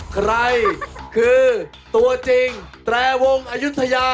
ใครคือตัวจริงแตรวงอายุทยา